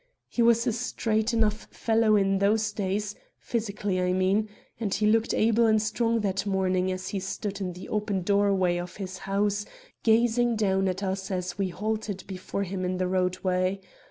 He was a straight enough fellow in those days physically, I mean and he looked able and strong that morning, as he stood in the open doorway of his house, gazing down at us as we halted before him in the roadway.